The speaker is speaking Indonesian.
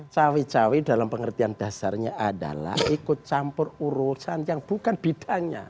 cawe cawe dalam pengertian dasarnya adalah ikut campur urusan yang bukan bidangnya